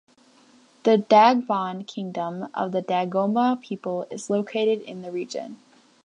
The Dagbon Kingdom, of the Dagomba people, is located in the region.